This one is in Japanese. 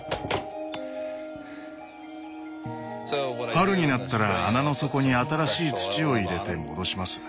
春になったら穴の底に新しい土を入れて戻します。